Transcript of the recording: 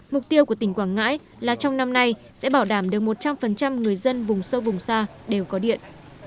mục tiêu của tỉnh quảng ngãi là trong năm nay sẽ bảo đảm được một trăm linh người dân vùng sâu vùng xa đều có điện